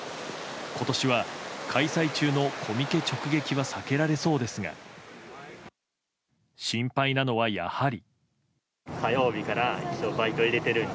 今年は、開催中のコミケ直撃は避けられそうですが心配なのは、やはり。